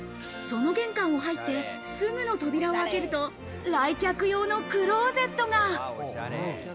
その玄関を入ってすぐの扉を開けると来客用のクローゼットが。